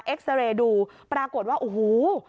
ซาเรย์ดูปรากฏว่าโอ้โห